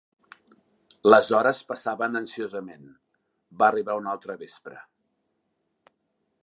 Les hores passaven ansiosament: va arribar un altre vespre.